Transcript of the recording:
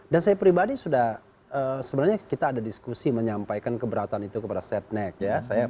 dan saya pribadi sudah sebenarnya kita ada diskusi menyampaikan keberatan itu kepada setnek ya